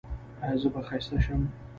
ایا زه به ښایسته شم؟